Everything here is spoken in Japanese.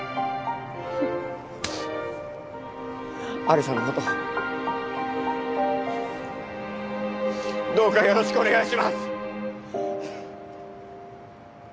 有沙のことどうかよろしくお願いします。